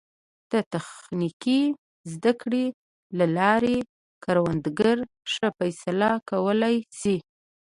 د تخنیکي زده کړو له لارې کروندګر ښه فیصله کولی شي.